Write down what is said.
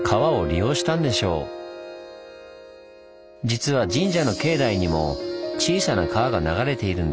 実は神社の境内にも小さな川が流れているんです。